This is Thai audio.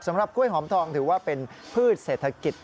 กล้วยหอมทองถือว่าเป็นพืชเศรษฐกิจ